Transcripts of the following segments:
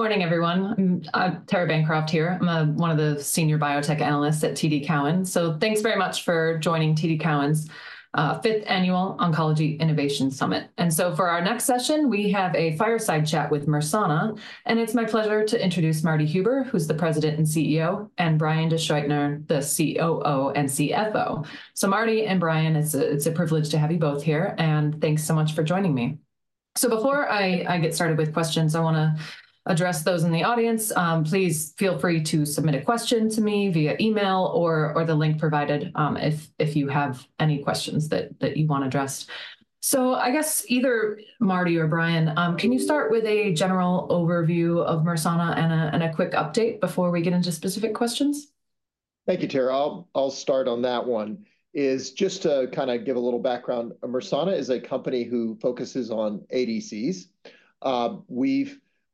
Good morning, everyone. Tara Bancroft here. I'm one of the senior biotech analysts at TD Cowen. Thanks very much for joining TD Cowen's Fifth Annual Oncology Innovation Summit. For our next session, we have a fireside chat with Mersana, and it's my pleasure to introduce Marty Huber, who's the President and CEO, and Brian DeSchuytner, the COO and CFO. Marty and Brian, it's a privilege to have you both here, and thanks so much for joining me. Before I get started with questions, I wanna address those in the audience. Please feel free to submit a question to me via email or the link provided, if you have any questions that you want addressed. So I guess either Marty or Brian, can you start with a general overview of Mersana and a quick update before we get into specific questions? Thank you, Tara. I'll start on that one. It's just to kinda give a little background. Mersana is a company who focuses on ADCs.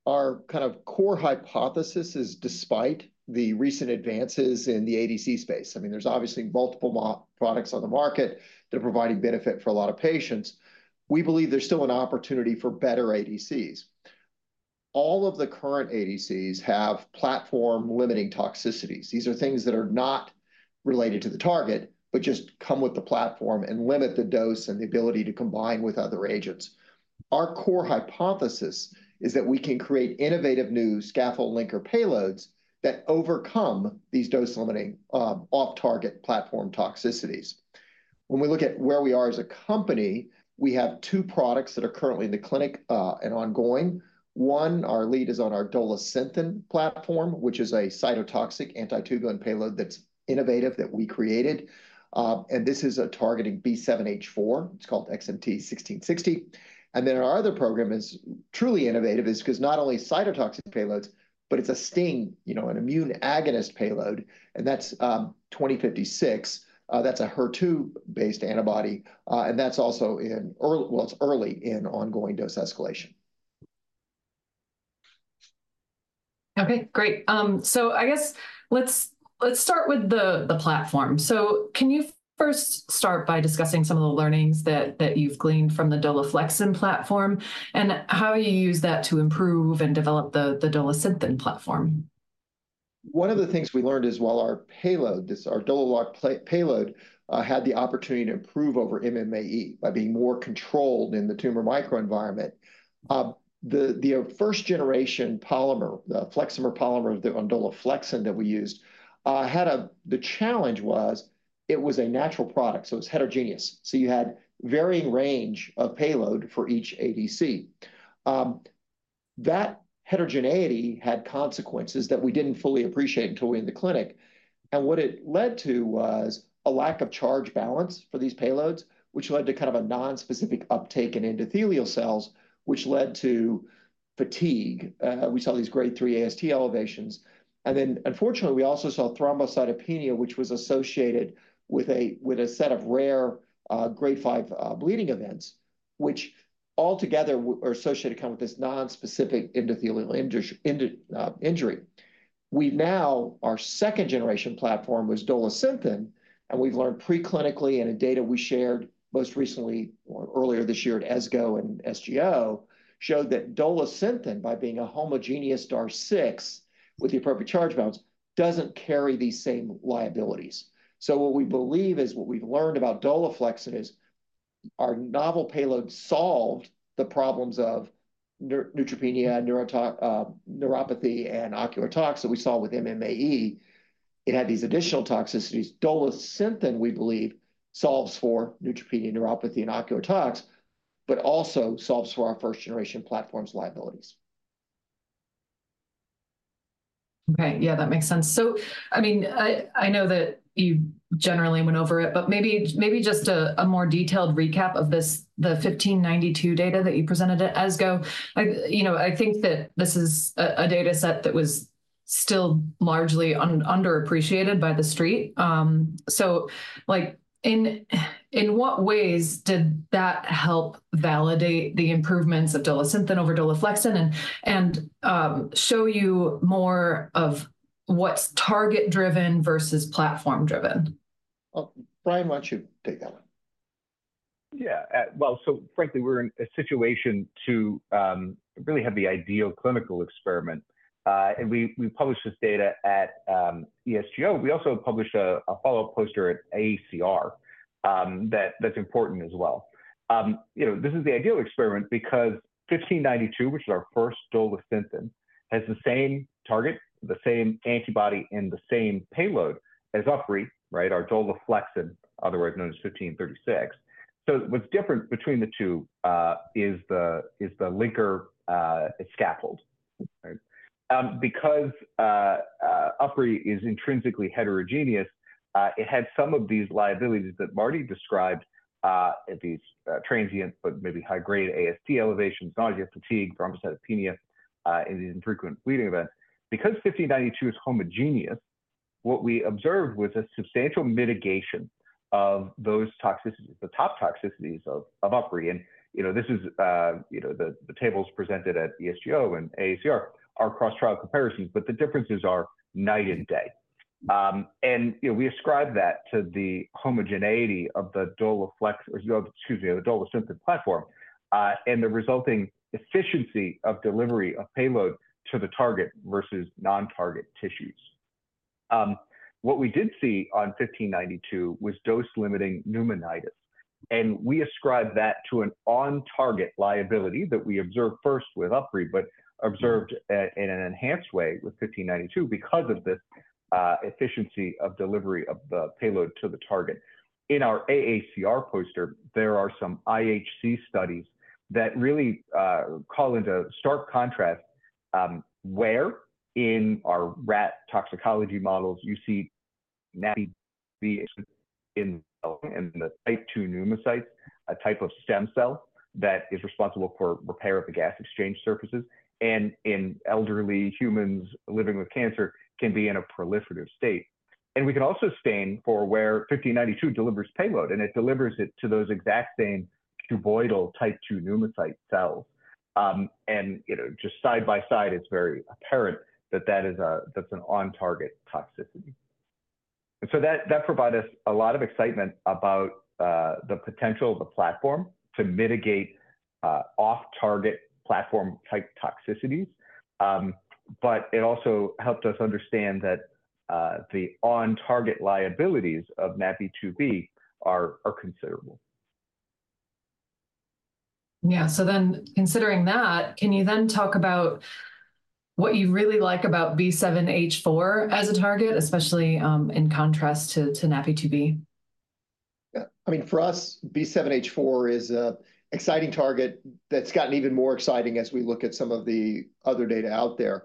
Our kind of core hypothesis is despite the recent advances in the ADC space. I mean, there's obviously multiple products on the market that are providing benefit for a lot of patients. We believe there's still an opportunity for better ADCs. All of the current ADCs have platform-limiting toxicities. These are things that are not related to the target, but just come with the platform and limit the dose and the ability to combine with other agents. Our core hypothesis is that we can create innovative new scaffold linker payloads that overcome these dose-limiting, off-target platform toxicities. When we look at where we are as a company, we have two products that are currently in the clinic, and ongoing. One, our lead is on our Dolasynthen platform, which is a cytotoxic anti-tubulin payload that's innovative, that we created. And this is targeting B7-H4. It's called XMT-1660. And then our other program is truly innovative is 'cause not only cytotoxic payloads, but it's a STING, you know, an immune agonist payload, and that's XMT-2056. That's a HER2-based antibody, and that's also early in ongoing dose escalation. Okay, great. So I guess let's start with the platform. So can you first start by discussing some of the learnings that you've gleaned from the Dolaflexin platform, and how you used that to improve and develop the Dolasynthen platform? One of the things we learned is while our payload, our Dolaflexin payload, had the opportunity to improve over MMAE by being more controlled in the tumor microenvironment, the first-generation polymer, the Fleximer polymer on Dolaflexin that we used, had a challenge. It was a natural product, so it's heterogeneous. So you had varying range of payload for each ADC. That heterogeneity had consequences that we didn't fully appreciate until we were in the clinic, and what it led to was a lack of charge balance for these payloads, which led to kind of a non-specific uptake in endothelial cells, which led to fatigue. We saw these grade three AST elevations. And then, unfortunately, we also saw thrombocytopenia, which was associated with a set of rare grade 5 bleeding events, which altogether are associated kinda with this non-specific endothelial injury. We now our second-generation platform was Dolasynthen, and we've learned preclinically and in data we shared most recently or earlier this year at ESGO and SGO, showed that Dolasynthen, by being a homogeneous DAR-6 with the appropriate charge balance, doesn't carry these same liabilities. So what we believe is what we've learned about Dolaflexin is our novel payload solved the problems of neutropenia, neuropathy and ocular tox that we saw with MMAE. It had these additional toxicities. Dolasynthen, we believe, solves for neutropenia, neuropathy and ocular tox, but also solves for our first-generation platform's liabilities. Okay. Yeah, that makes sense. So I mean, I know that you generally went over it, but maybe just a more detailed recap of this, the 1592 data that you presented at ESGO. You know, I think that this is a data set that was still largely underappreciated by the Street. So, like, in what ways did that help validate the improvements of Dolasynthen over Dolaflexin and show you more of what's target-driven versus platform-driven? Well, Brian, why don't you take that one? Yeah, well, so frankly, we're in a situation to really have the ideal clinical experiment. And we published this data at ESGO. We also published a follow-up poster at AACR, that's important as well. You know, this is the ideal experiment because 1592, which is our first Dolasynthen, has the same target, the same antibody, and the same payload as UpRi, right? Our Dolaflexin, otherwise known as 1536. So what's different between the two is the linker scaffold, right? Because UpRi is intrinsically heterogeneous, it had some of these liabilities that Marty described at these transient but maybe high-grade AST elevations, nausea, fatigue, thrombocytopenia, and these infrequent bleeding events. Because 1592 is homogeneous, what we observed was a substantial mitigation of those toxicities, the top toxicities of UpRi. You know, this is, you know, the tables presented at ESGO and AACR are cross-trial comparisons, but the differences are night and day. And, you know, we ascribe that to the homogeneity of the Dolaflexin, or the, excuse me, the Dolasynthen platform, and the resulting efficiency of delivery of payload to the target versus non-target tissues. What we did see on 1592 was dose-limiting pneumonitis, and we ascribe that to an on-target liability that we observed first with UpRi, but observed in an enhanced way with 1592 because of this efficiency of delivery of the payload to the target. In our AACR poster, there are some IHC studies that really call into stark contrast where in our rat toxicology models you see NaPi2b in the type two pneumocytes, a type of stem cell that is responsible for repair of the gas exchange surfaces, and in elderly humans living with cancer, can be in a proliferative state. We can also stain for where 1592 delivers payload, and it delivers it to those exact same cuboidal type two pneumocyte cells. You know, just side by side, it's very apparent that that is an on-target toxicity. So that provided us a lot of excitement about the potential of the platform to mitigate off-target platform-type toxicities. But it also helped us understand that the on-target liabilities of NaPi2b are considerable. Yeah. So then, considering that, can you then talk about what you really like about B7-H4 as a target, especially, in contrast to NaPi2b? Yeah. I mean, for us, B7-H4 is an exciting target that's gotten even more exciting as we look at some of the other data out there.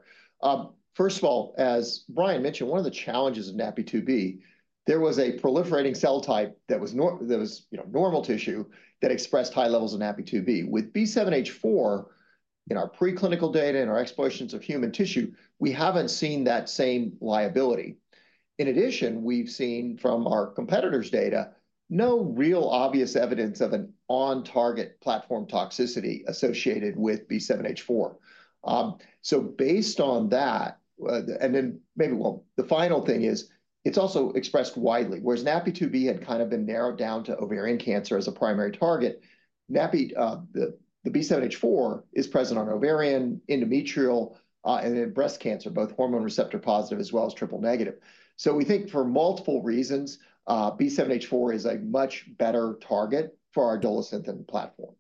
First of all, as Brian mentioned, one of the challenges of NaPi2b, there was a proliferating cell type that was, you know, normal tissue, that expressed high levels of NaPi2b. With B7-H4, in our preclinical data and our explorations of human tissue, we haven't seen that same liability. In addition, we've seen from our competitors' data, no real obvious evidence of an on-target platform toxicity associated with B7-H4. So based on that, and then maybe, well, the final thing is, it's also expressed widely. Whereas NaPi2b had kind of been narrowed down to ovarian cancer as a primary target, NaPi2b, the B7-H4 is present on ovarian, endometrial, and in breast cancer, both hormone receptor-positive as well as triple-negative. So we think for multiple reasons, B7-H4 is a much better target for our Dolasynthen platform.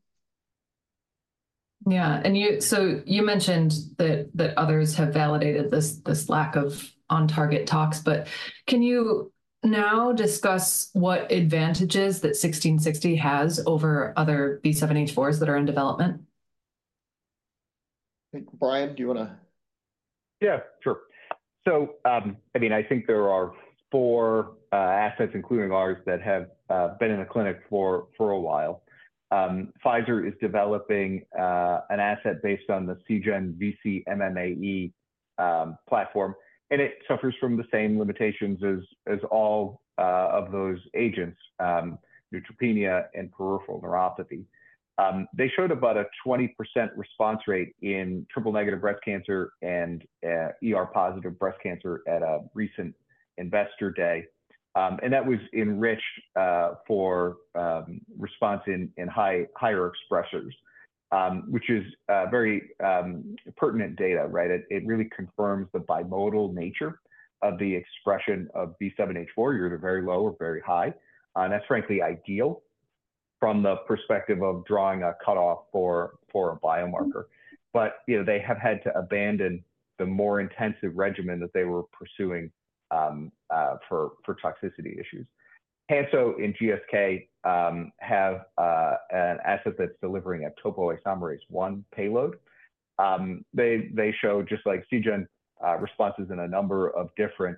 Yeah, and you so you mentioned that others have validated this lack of on-target tox, but can you now discuss what advantages that 1660 has over other B7-H4s that are in development? I think, Brian, do you wanna? Yeah, sure. So, I mean, I think there are four assets, including ours, that have been in the clinic for a while. Pfizer is developing an asset based on the Seagen VC-MMAE platform, and it suffers from the same limitations as all of those agents, neutropenia and peripheral neuropathy. They showed about a 20% response rate in triple-negative breast cancer and ER-positive breast cancer at a recent investor day. And that was enriched for response in higher expressors, which is very pertinent data, right? It really confirms the bimodal nature of the expression of B7-H4. You're either very low or very high, and that's frankly ideal from the perspective of drawing a cutoff for a biomarker. But, you know, they have had to abandon the more intensive regimen that they were pursuing for toxicity issues. Hansoh and GSK have an asset that's delivering a topoisomerase I payload. They show, just like Seagen, responses in a number of different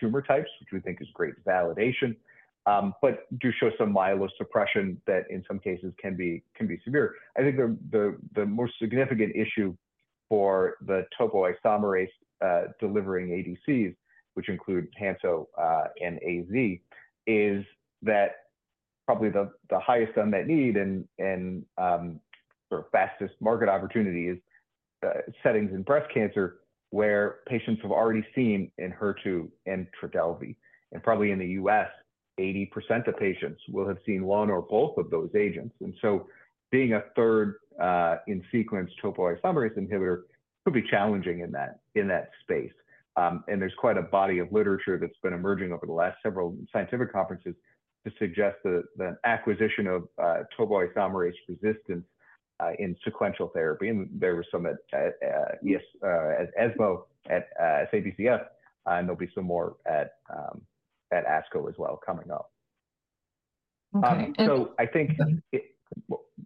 tumor types, which we think is great validation, but do show some myelosuppression that in some cases can be severe. I think the more significant issue for the topoisomerase delivering ADCs, which include Hansoh and AZ, is that probably the highest unmet need and the fastest market opportunity is settings in breast cancer, where patients have already seen Enhertu and Trodelvy. And probably in the U.S., 80% of patients will have seen one or both of those agents. And so, being a third in sequence topoisomerase inhibitor could be challenging in that, in that space. And there's quite a body of literature that's been emerging over the last several scientific conferences to suggest that the acquisition of topoisomerase resistance in sequential therapy, and there was some at ESMO, at SABCS, and there'll be some more at ASCO as well coming up. Okay, and.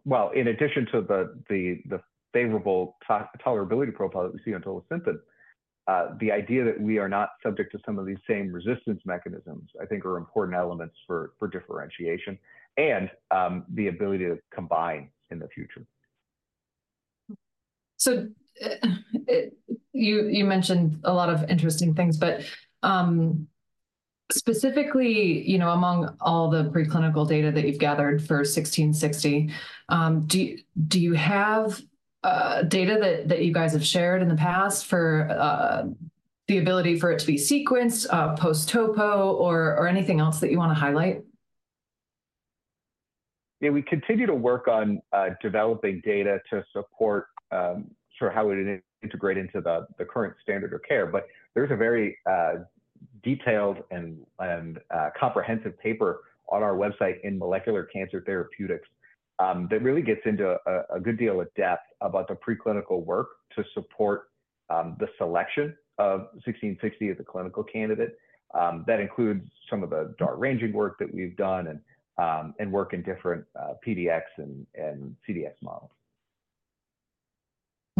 Well, in addition to the favorable tolerability profile that we see on Dolasynthen, the idea that we are not subject to some of these same resistance mechanisms, I think, are important elements for differentiation and the ability to combine in the future. So, you mentioned a lot of interesting things, but, specifically, you know, among all the preclinical data that you've gathered for 1660, do you have data that you guys have shared in the past for the ability for it to be sequenced post-topo, or anything else that you wanna highlight? Yeah, we continue to work on developing data to support for how it integrates into the current standard of care. But there's a very detailed and comprehensive paper on our website in Molecular Cancer Therapeutics that really gets into a good deal of depth about the preclinical work to support the selection of 1660 as a clinical candidate. That includes some of the DAR ranging work that we've done and work in different PDX and CDX models.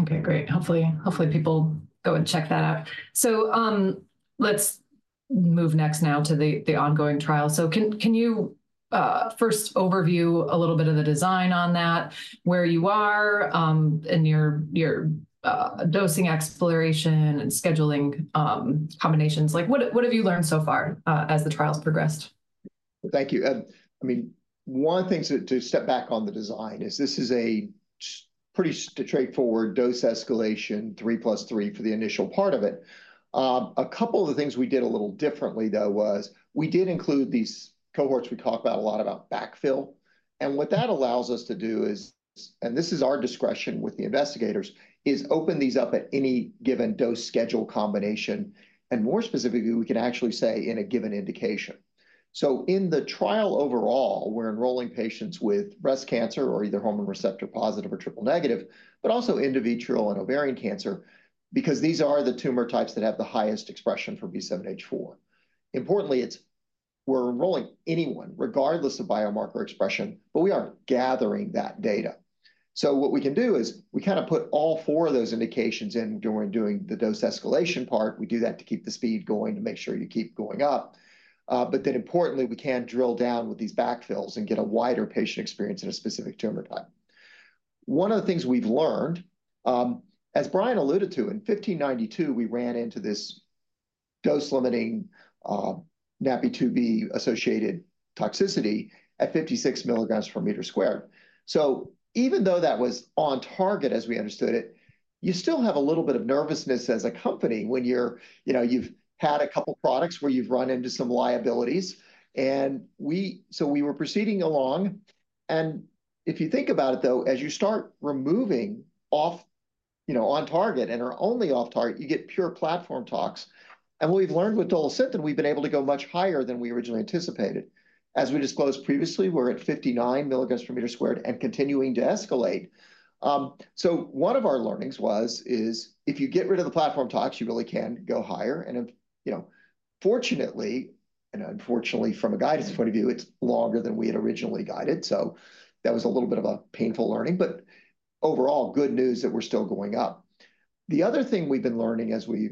Okay, great. Hopefully, hopefully people go and check that out. So, let's move next now to the ongoing trial. So can you first overview a little bit of the design on that, where you are in your dosing exploration and scheduling combinations? Like, what have you learned so far as the trial's progressed? Thank you. I mean, one of the things to step back on the design is this is a pretty straightforward dose escalation, three plus three, for the initial part of it. A couple of the things we did a little differently, though, was we did include these cohorts we talk about a lot about backfill, and what that allows us to do is, and this is our discretion with the investigators, is open these up at any given dose schedule combination, and more specifically, we can actually say in a given indication. So in the trial overall, we're enrolling patients with breast cancer, or either hormone receptor-positive or triple-negative, but also endometrial and ovarian cancer because these are the tumor types that have the highest expression for B7-H4. Importantly, we're enrolling anyone, regardless of biomarker expression, but we are gathering that data. So what we can do is we kinda put all four of those indications in during doing the dose escalation part. We do that to keep the speed going, to make sure you keep going up. But then importantly, we can drill down with these backfills and get a wider patient experience in a specific tumor type. One of the things we've learned, as Brian alluded to, in XMT-1592, we ran into this dose-limiting NaPi2b-associated toxicity at 56 mg/m². So even though that was on target, as we understood it, you still have a little bit of nervousness as a company when you're, you know, you've had a couple products where you've run into some liabilities. We were proceeding along, and if you think about it, though, as you start removing off-target, you know, on-target and only off-target, you get pure platform tox. And what we've learned with Dolasynthen, we've been able to go much higher than we originally anticipated. As we disclosed previously, we're at 59 milligrams per meter squared and continuing to escalate. So one of our learnings was, is if you get rid of the platform tox, you really can go higher, and, you know, fortunately, and unfortunately, from a guidance point of view, it's longer than we had originally guided, so that was a little bit of a painful learning, but overall, good news that we're still going up. The other thing we've been learning as we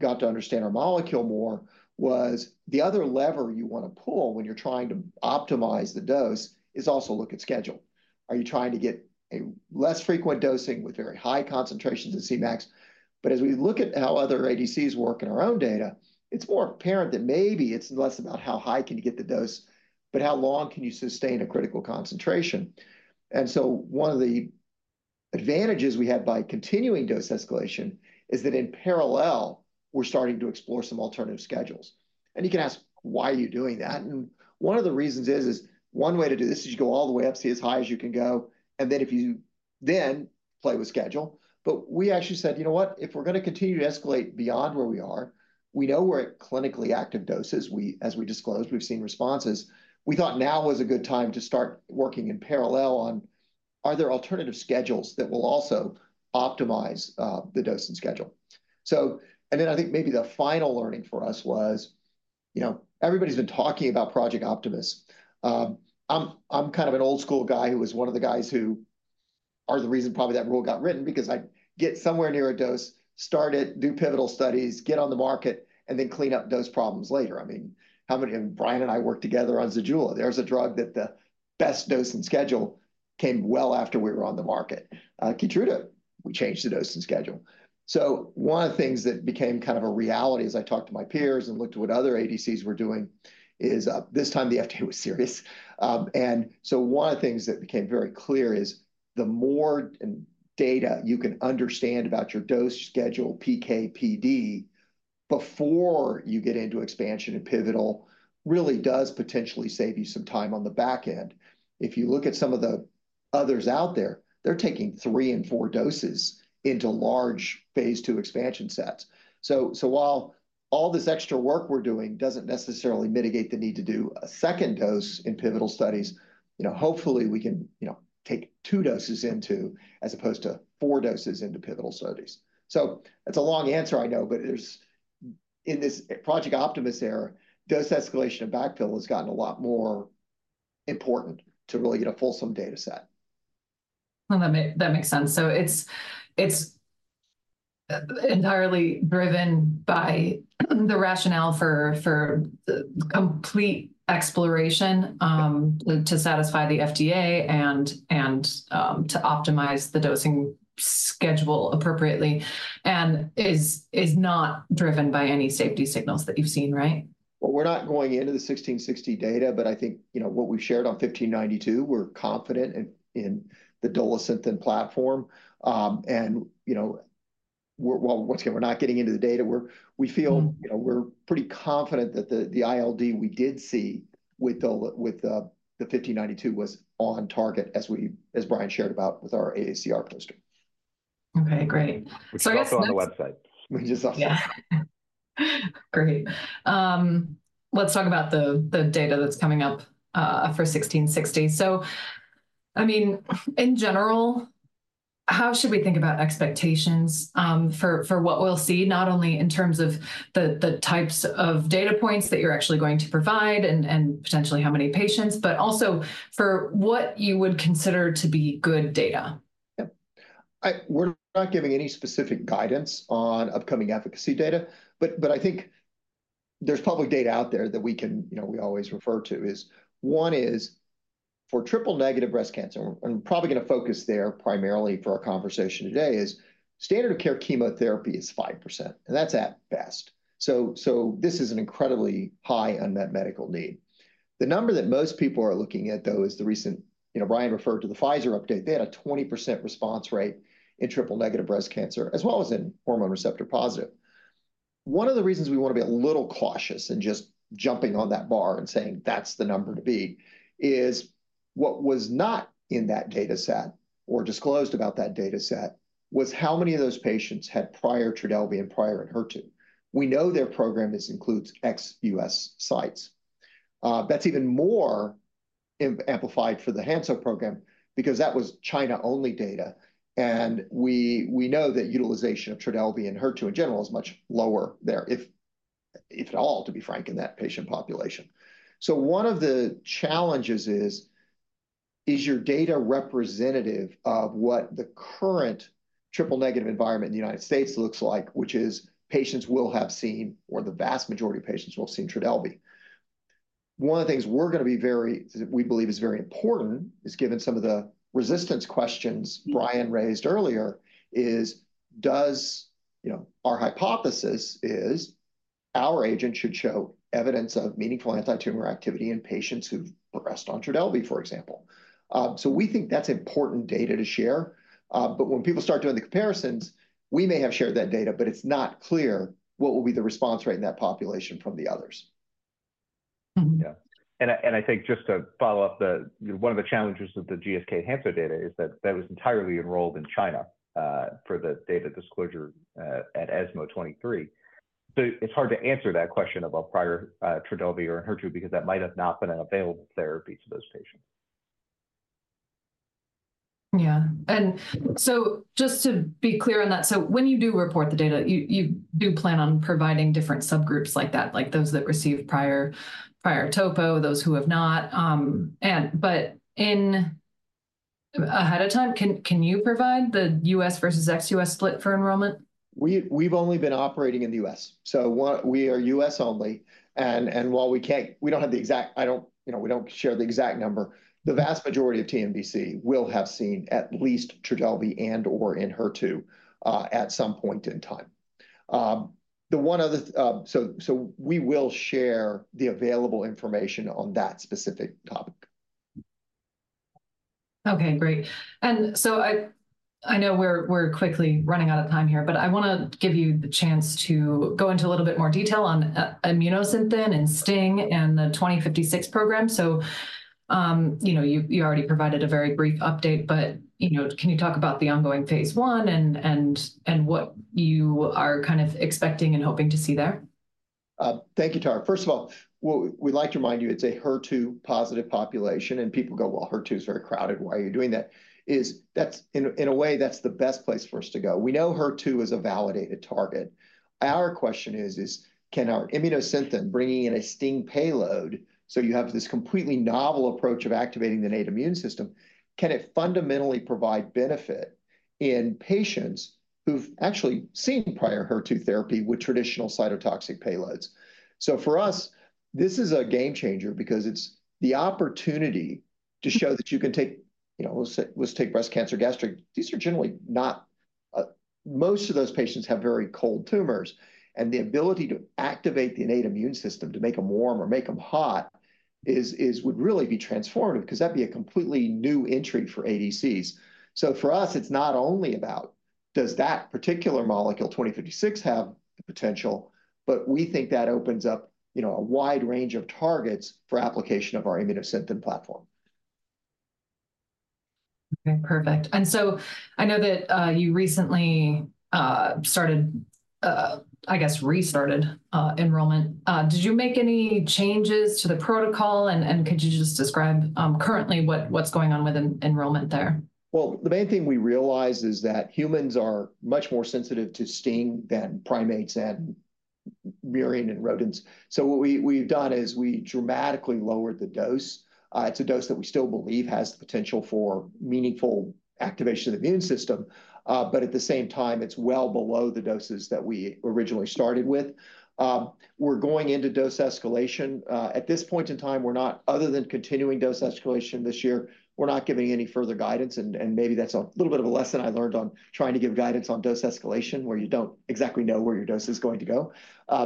got to understand our molecule more was the other lever you wanna pull when you're trying to optimize the dose is also look at schedule. Are you trying to get a less frequent dosing with very high concentrations in Cmax? But as we look at how other ADCs work in our own data, it's more apparent that maybe it's less about how high can you get the dose, but how long can you sustain a critical concentration? And so one of the advantages we had by continuing dose escalation is that in parallel, we're starting to explore some alternative schedules. You can ask, "Why are you doing that?" One of the reasons is, is one way to do this is you go all the way up, see as high as you can go, and then if you then play with schedule. But we actually said, "You know what? If we're gonna continue to escalate beyond where we are, we know we're at clinically active doses. We, as we disclosed, we've seen responses." We thought now was a good time to start working in parallel on: Are there alternative schedules that will also optimize the dosing schedule? So... And then I think maybe the final learning for us was, you know, everybody's been talking about Project Optimus. I'm kind of an old-school guy who was one of the guys who are the reason probably that rule got written because I'd get somewhere near a dose, start it, do pivotal studies, get on the market, and then clean up dose problems later. I mean, how many... Brian and I worked together on Zejula. There's a drug that the best dosing schedule came well after we were on the market. Keytruda, we changed the dosing schedule. So one of the things that became kind of a reality as I talked to my peers and looked at what other ADCs were doing, is, this time the FDA was serious. And so one of the things that became very clear is the more data you can understand about your dose schedule, PK/PD, before you get into expansion and pivotal, really does potentially save you some time on the back end. If you look at some of the others out there, they're taking three and four doses into large phase II expansion sets. So while all this extra work we're doing doesn't necessarily mitigate the need to do a second dose in pivotal studies, you know, hopefully, we can, you know, take two doses into, as opposed to four doses into pivotal studies. So it's a long answer, I know, but there's, in this Project Optimus era, dose escalation and backfill has gotten a lot more important to really get a fulsome data set. Well, that makes sense. So it's entirely driven by the rationale for the complete exploration to satisfy the FDA and to optimize the dosing schedule appropriately, and is not driven by any safety signals that you've seen, right? Well, we're not going into the 1660 data, but I think, you know, what we've shared on 1592, we're confident in the Dolasynthen platform. And, you know, well, once again, we're not getting into the data. We feel. Mm-hmm. You know, we're pretty confident that the ILD we did see with the 1592 was on target, as Brian shared about with our AACR poster. Okay, great. So I guess let's- Which is also on the website. Which is also. Yeah. Great. Let's talk about the data that's coming up for 1660. So, I mean, in general, how should we think about expectations for what we'll see, not only in terms of the types of data points that you're actually going to provide, and potentially how many patients, but also for what you would consider to be good data? Yep. We're not giving any specific guidance on upcoming efficacy data, but I think there's public data out there that we can... You know, we always refer to is one is, for triple-negative breast cancer, and we're probably gonna focus there primarily for our conversation today, is standard of care chemotherapy is 5%, and that's at best. So this is an incredibly high unmet medical need. The number that most people are looking at, though, is the recent... You know, Brian referred to the Pfizer update. They had a 20% response rate in triple-negative breast cancer, as well as in hormone receptor-positive. One of the reasons we wanna be a little cautious in just jumping on that bar and saying, "That's the number to beat," is what was not in that data set or disclosed about that data set was how many of those patients had prior Trodelvy and prior Enhertu. We know their program includes ex-U.S. sites. That's even more amplified for the Hansoh program because that was China-only data, and we know that utilization of Trodelvy and Enhertu in general is much lower there, if at all, to be frank, in that patient population. So one of the challenges is your data representative of what the current triple-negative environment in the United States looks like, which is patients will have seen, or the vast majority of patients will have seen Trodelvy? One of the things we're gonna be very... We believe is very important is, given some of the resistance questions Brian raised earlier, is does. You know, our hypothesis is our agent should show evidence of meaningful anti-tumor activity in patients who've progressed on Trodelvy, for example. So we think that's important data to share. But when people start doing the comparisons, we may have shared that data, but it's not clear what will be the response rate in that population from the others. Mm-hmm. Yeah. And I, and I think just to follow up, one of the challenges with the GSK Hansoh data is that that was entirely enrolled in China for the data disclosure at ESMO 2023. So it's hard to answer that question about prior Trodelvy or Enhertu, because that might have not been an available therapy to those patients. Yeah. And so just to be clear on that, so when you do report the data, you do plan on providing different subgroups like that, like those that received prior topo, those who have not? Ahead of time, can you provide the U.S. versus ex-U.S. split for enrollment? We've only been operating in the U.S.. We are U.S. only, and while we can't—we don't have the exact number. You know, we don't share the exact number. The vast majority of TNBC will have seen at least Trodelvy and/or Enhertu at some point in time. The one other. So we will share the available information on that specific topic. Okay, great. And so I know we're quickly running out of time here, but I wanna give you the chance to go into a little bit more detail on Immunosynthen, and STING, and the 2056 program. So, you know, you already provided a very brief update, but, you know, can you talk about the ongoing phase I and what you are kind of expecting and hoping to see there? Thank you, Tara. First of all, what we'd like to remind you, it's a HER2-positive population, and people go, "Well, HER2 is very crowded. Why are you doing that?" That's, in a way, that's the best place for us to go. We know HER2 is a validated target. Our question is, "Can our Immunosynthen, bringing in a STING payload," so you have this completely novel approach of activating the innate immune system, "can it fundamentally provide benefit in patients who've actually seen prior HER2 therapy with traditional cytotoxic payloads?" So for us, this is a game-changer because it's the opportunity to show that you can take, you know, let's say, let's take breast cancer, gastric. These are generally not. Most of those patients have very cold tumors, and the ability to activate the innate immune system to make them warm or make them hot is would really be transformative, 'cause that'd be a completely new entry for ADCs. So for us, it's not only about, does that particular molecule, XMT-2056, have the potential? But we think that opens up, you know, a wide range of targets for application of our Immunosynthen platform. Okay, perfect. And so I know that you recently started, I guess restarted, enrollment. Did you make any changes to the protocol, and could you just describe currently what's going on with enrollment there? Well, the main thing we realized is that humans are much more sensitive to STING than primates, and murine, and rodents. So what we've done is we dramatically lowered the dose. It's a dose that we still believe has the potential for meaningful activation of the immune system, but at the same time, it's well below the doses that we originally started with. We're going into dose escalation. At this point in time, we're not... Other than continuing dose escalation this year, we're not giving any further guidance, and maybe that's a little bit of a lesson I learned on trying to give guidance on dose escalation, where you don't exactly know where your dose is going to go.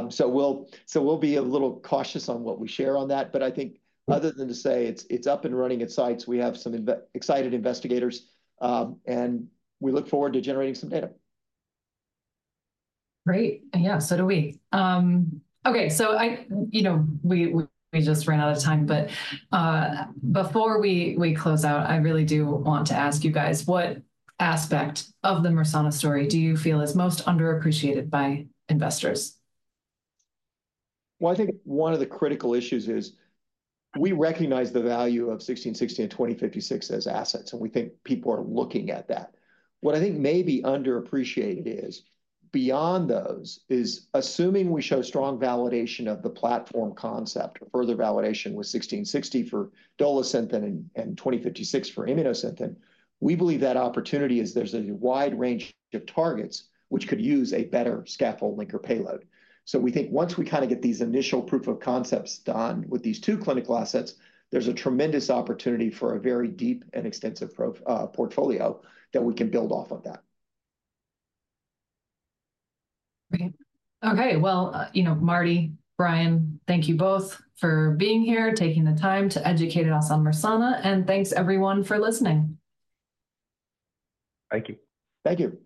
So we'll be a little cautious on what we share on that. I think other than to say, it's up and running at sites. We have some excited investigators, and we look forward to generating some data. Great. Yeah, so do we. Okay, so I, you know, we just ran out of time, but before we close out, I really do want to ask you guys, what aspect of the Mersana story do you feel is most underappreciated by investors? Well, I think one of the critical issues is we recognize the value of 1660 and 2056 as assets, and we think people are looking at that. What I think may be underappreciated is, beyond those, is assuming we show strong validation of the platform concept, further validation with 1660 for Dolasynthen and, and 2056 for Immunosynthen, we believe that opportunity is there's a wide range of targets which could use a better scaffold linker payload. So we think once we kind of get these initial proof of concepts done with these two clinical assets, there's a tremendous opportunity for a very deep and extensive portfolio that we can build off of that. Great. Okay, well, you know, Marty, Brian, thank you both for being here, taking the time to educate us on Mersana, and thanks, everyone, for listening. Thank you. Thank you.